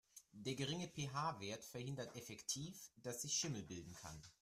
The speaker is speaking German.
Der geringe PH-Wert verhindert effektiv, dass sich Schimmel bilden kann.